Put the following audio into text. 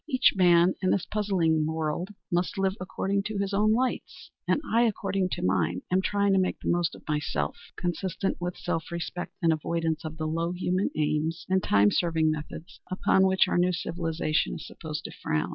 Each man in this puzzling world must live according to his own lights, and I, according to mine, am trying to make the most of myself, consistent with self respect and avoidance of the low human aims and time serving methods upon which our new civilization is supposed to frown.